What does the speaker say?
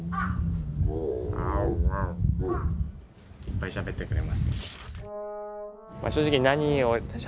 いっぱいしゃべってくれますね。